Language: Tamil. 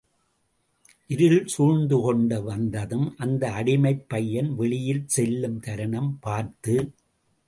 இருள் சூழ்ந்து கொண்டு வந்ததும், அந்த அடிமைப் பையன் வெளியில் செல்லும் தருணம் பார்த்து.